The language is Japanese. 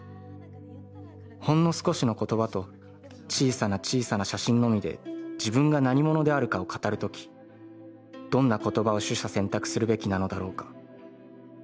ほんの少しの言葉と小さな小さな写真のみで自分が何者であるかを語る時、どんな言葉を取捨選択するべきなのだろうか」。